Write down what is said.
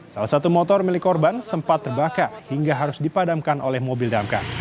salah satu motor milik korban sempat terbakar hingga harus dipadamkan oleh mobil damkar